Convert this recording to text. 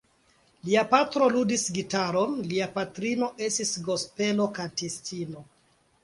Lia patro ludis gitaron, lia patrino estis gospelo-kantistino.